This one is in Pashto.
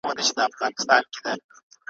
تښتېدلې ورنه ډلي د لېوانو,